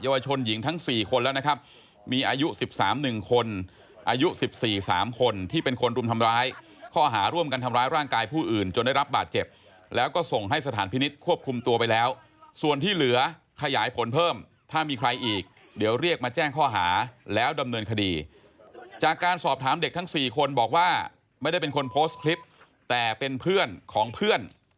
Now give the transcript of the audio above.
เยาวชนหญิงทั้งสี่คนแล้วนะครับมีอายุสิบสามหนึ่งคนอายุสิบสี่สามคนที่เป็นคนรุมทำร้ายข้อหาร่วมกันทำร้ายร่างกายผู้อื่นจนได้รับบาดเจ็บแล้วก็ส่งให้สถานพินิษฐ์ควบคุมตัวไปแล้วส่วนที่เหลือขยายผลเพิ่มถ้ามีใครอีกเดี๋ยวเรียกมาแจ้งข้อหาแล้วดำเนินคดีจากการสอบถามเด็กทั้งสี่คนบอกว่าไม่ได้เป